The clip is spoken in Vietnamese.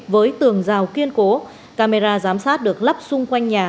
với tường rào kiên cố camera giám sát được lắp xung quanh nhà